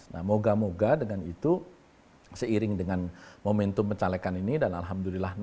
nah moga moga dengan itu seiring dengan momentum pencalekan ini dan alhamdulillah